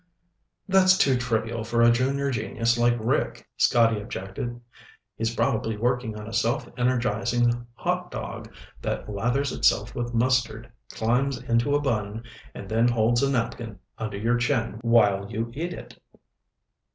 "That's too trivial for a junior genius like Rick," Scotty objected. "He's probably working on a self energizing hot dog that lathers itself with mustard, climbs into a bun, and then holds a napkin under your chin while you eat it."